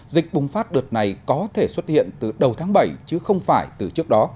dịch bùng phát đợt này có thể xuất hiện từ đầu tháng bảy chứ không phải từ trước đó